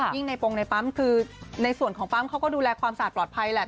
ในโปรงในปั๊มคือในส่วนของปั๊มเขาก็ดูแลความสะอาดปลอดภัยแหละ